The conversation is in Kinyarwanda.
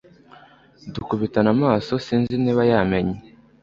dukubitana amaso sinzi niba yamenye